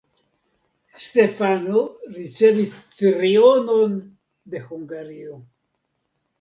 Stefano ricevis trionon de Hungario.